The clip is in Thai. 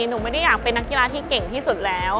หนูไม่ได้อยากเป็นนักกีฬาที่เก่งที่สุดแล้ว